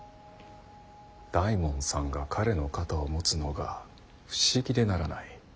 大門さんが彼の肩を持つのが不思議でならない。